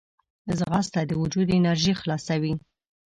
ځغاسته د وجود انرژي خلاصوي